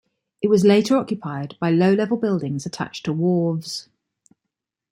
It was later occupied by low level buildings attached to wharves.